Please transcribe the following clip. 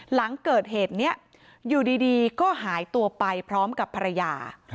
หลังเกิดเหตุนี้อยู่ดีก็หายตัวไปพร้อมกับภรรยา